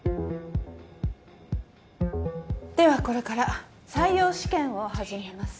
ではこれから採用試験を始めます。